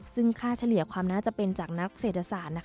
ซึ่งค่าเฉลี่ยความน่าจะเป็นจากนักเศรษฐศาสตร์